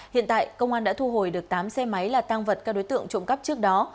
hiện tại công an đã thu hồi được tám xe máy là tăng vật các đối tượng trộm cắp trước đó